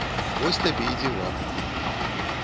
Вось табе і дзівак!